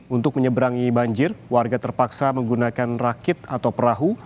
untuk menyeberangi banjir warga terpaksa menggunakan rakit atau perahu